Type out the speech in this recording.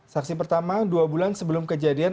saksi pertama dua bulan sebelum kejadian